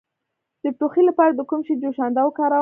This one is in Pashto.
د ټوخي لپاره د کوم شي جوشانده وکاروم؟